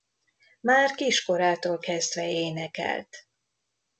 Már kiskorától kezdve énekelt.